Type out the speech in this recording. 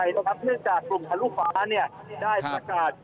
ไม่ยืนยันว่าเป็นส่วนผู้ชมตัวใดนะครับ